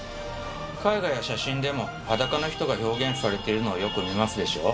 絵画や写真でも裸の人が表現されているのをよく見ますでしょ？